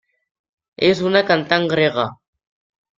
És una cantant grega.